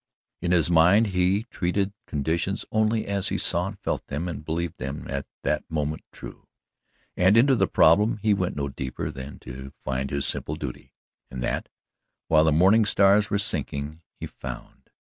In his mind he treated conditions only as he saw and felt them and believed them at that moment true: and into the problem he went no deeper than to find his simple duty, and that, while the morning stars were sinking, he found.